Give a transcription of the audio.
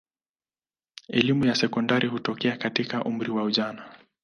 Elimu ya sekondari hutokea katika umri wa ujana.